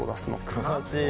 詳しい。